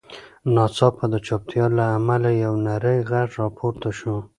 ناڅاپه د چوپتیا له تله یو نرۍ غږ راپورته شو.